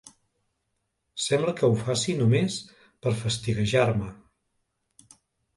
Sembla que ho faci només per fastiguejar-me.